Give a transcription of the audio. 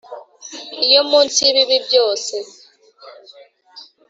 iyo munsi y'ibibi byose